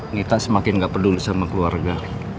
nita semakin gak peduli sama keluarga